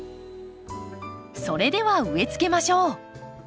それでは植えつけましょう。